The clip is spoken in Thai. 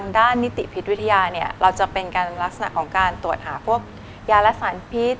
บางด้านนิติพิธีวิทยาเราจะเป็นการลักษณะของการตรวจหาพวกยาและสารพิธธิ์